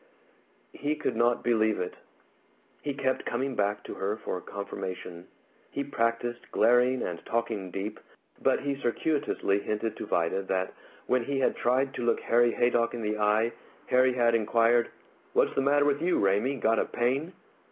He could not believe it. He kept coming back to her for confirmation. He practised glaring and talking deep, but he circuitously hinted to Vida that when he had tried to look Harry Haydock in the eye, Harry had inquired, "What's the matter with you, Raymie? Got a pain?"